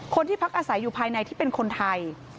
คนที่พักอาศัยอยู่ภายในที่เป็นคนไทย